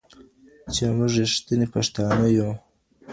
چې موږ رښتيني پښتانه يو.